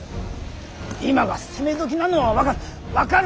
今が攻め時なのは分かる。